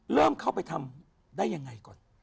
เริ่มเข้าไปทำได้ยังไงก่อน